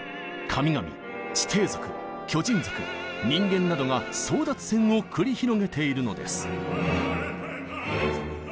神々地底族巨人族人間などが争奪戦を繰り広げているのです。